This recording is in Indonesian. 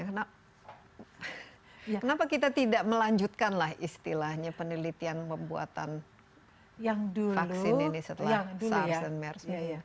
kenapa kita tidak melanjutkanlah istilahnya penelitian pembuatan vaksin ini setelah sars dan mers